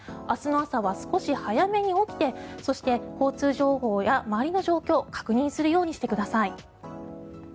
明日の朝は少し早めに起きてそして、交通情報や周りの状況を確認するようにしてください。